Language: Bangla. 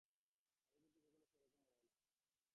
আমার কিন্তু কখনো সে রকম মনে হয় না।